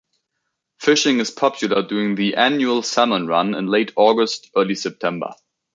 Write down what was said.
Fishing is popular during the annual Salmon Run in late August - early September.